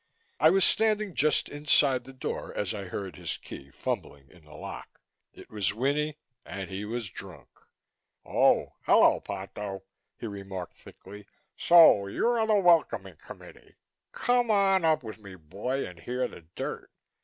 I was standing just inside the door as I heard his key fumbling in the lock. It was Winnie and he was drunk. "Oh, hullo, Ponto," he remarked thickly. "So you're the welcoming committee. Come on up with me, boy, and hear the dirt."